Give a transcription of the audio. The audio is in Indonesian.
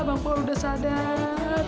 bangku udah sadar